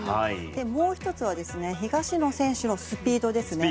もう１つは東野選手のスピードですね。